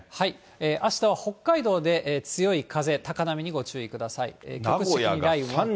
あしたは北海道で強い風、高波にご注意ください。